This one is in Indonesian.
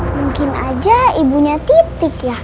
mungkin aja ibunya titik ya